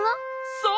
そう！